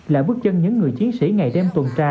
là bước chân những người chiến sĩ ngày đêm tuần tra